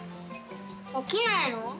起きないの？